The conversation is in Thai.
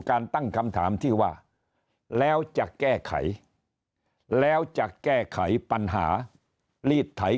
ตั้งคำถามที่ว่าแล้วจะแก้ไขแล้วจะแก้ไขปัญหาลีดไถ